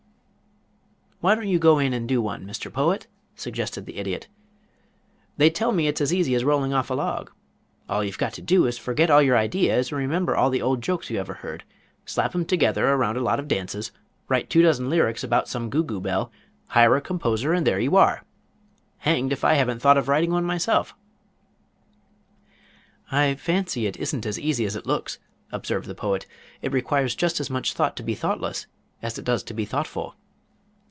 "Why don't you go in and do one, Mr. Poet?" suggested the Idiot. "They tell me it's as easy as rolling off a log. All you've got to do is to forget all your ideas and remember all the old jokes you ever heard. Slap 'em together around a lot of dances, write two dozen lyrics about some Googoo Belle, hire a composer, and there you are. Hanged if I haven't thought of writing one myself." "I fancy it isn't as easy as it looks," observed the Poet. "It requires just as much thought to be thoughtless as it does to be thoughtful."